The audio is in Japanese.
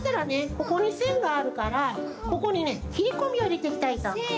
ここにせんがあるからここにねきりこみをいれていきたいとおもいます。